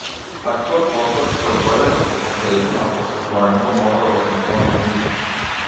Таквиот потфат, кој дојде како последица на просветувањето, мора да го сметаме за неуспешен.